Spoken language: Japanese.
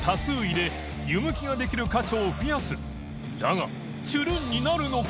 磴世チュルンになるのか？